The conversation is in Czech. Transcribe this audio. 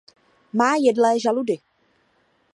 Má jedlé žaludy.